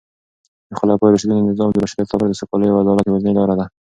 د خلفای راشدینو نظام د بشریت لپاره د سوکالۍ او عدالت یوازینۍ لاره ده.